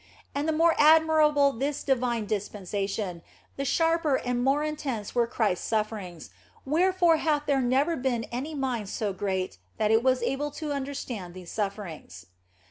And the more admirable this divine dispensation, the sharper and more intense were Christ s sufferings, where fore hath there never been any mind so great that it was able to understand these sufferings.